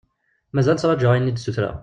Mazal ttraǧuɣ ayen i d-sutreɣ.